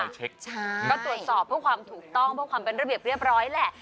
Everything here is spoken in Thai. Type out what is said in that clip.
ก็ตรวจสอบเพื่อความถูกต้องเพื่อความเป็นระเบียบเรียบร้อยแหละ